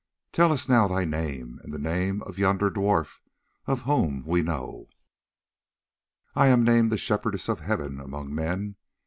Tell us now thy name, and the name of yonder dwarf, of whom we know." "I am named the Shepherdess of Heaven among men.